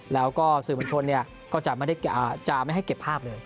แล้วก็สื่อมวลชนก็จะไม่ให้เก็บภาพเลย